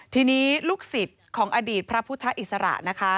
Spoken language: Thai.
ทีนี้ลูกศิษย์ของอดีตพระพุทธอิสระนะคะ